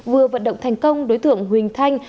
vừa vận động thành công đối tượng huỳnh thanh